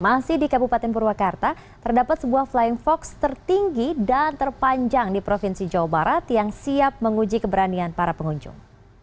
masih di kabupaten purwakarta terdapat sebuah flying fox tertinggi dan terpanjang di provinsi jawa barat yang siap menguji keberanian para pengunjung